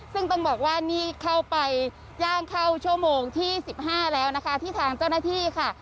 ซึ่งต้องบอกว่านี่เข้าไปย่างเข้าชั่วโมงที่๑๕แล้วนะคะที่ทางเจ้าหน้าที่ค่ะ